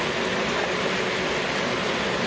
พร้อมทุกสิทธิ์